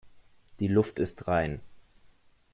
Die Luft ist rein.